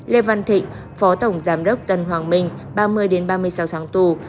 lê văn thịnh phó tổng giám đốc tân hoàng minh ba mươi ba mươi sáu tháng tù